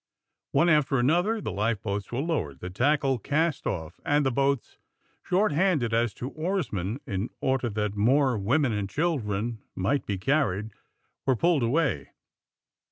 One after another the lifeboats were lowered, the tackle cast off, and the boats, short handed as to oarsmen, in order that more women and children might be carried, were pulled away.